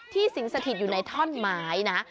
สิงสถิตอยู่ในท่อนไม้นะ